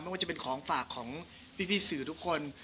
ว่าจะเป็นของฝากของพี่สื่อทุกคน